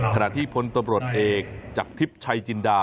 ขณะที่พลตำรวจเอกจากทิพย์ชัยจินดา